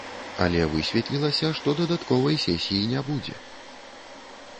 Але высветлілася, што дадатковай сесіі не будзе.